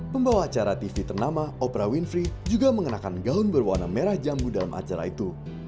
pembawa acara tv ternama opera winfrey juga mengenakan gaun berwarna merah jambu dalam acara itu